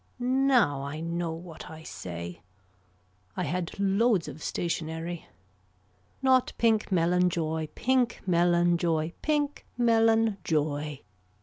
Now I know what I say. I had loads of stationary. Not pink melon joy. Pink melon joy. Pink melon joy.